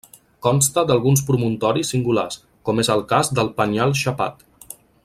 Consta d'alguns promontoris singulars, com és el cas del Penyal Xapat.